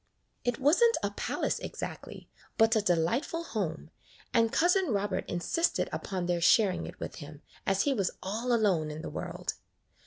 It was n't a palace exactly, but a delightful home, and Cousin Robert insisted upon their sharing it with him, as he was all alone in the world.